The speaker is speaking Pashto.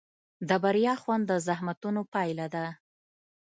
د بریا خوند د زحمتونو پایله ده.